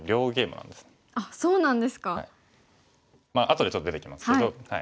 あとでちょっと出てきますけど。